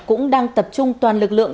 cũng đang tập trung toàn lực lượng